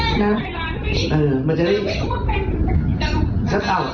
พอเขาพูดมาอย่างงี้มันก็คุยจะไม่รู้เรื่องแล้ว